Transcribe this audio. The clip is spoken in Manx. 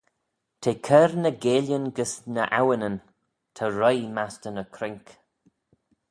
T'eh cur ny geillyn gys ny awinyn: ta roie mastey ny croink.